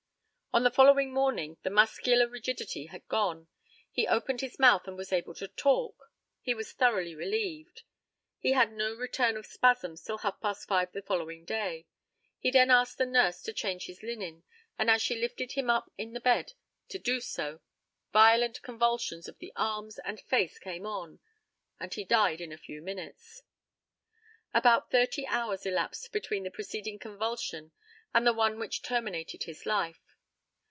On the following morning the muscular rigidity had gone, he opened his mouth and was able to talk; he was thoroughly relieved. He had no return of spasms till half past five the following day. He then asked the nurse to change his linen, and as she lifted him up in the bed to do so violent convulsions of the arms and face came on, and he died in a few minutes. About thirty hours elapsed between the preceding convulsion and the one which terminated his life.